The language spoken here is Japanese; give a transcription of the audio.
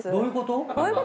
どういうこと？